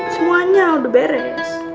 semuanya udah beres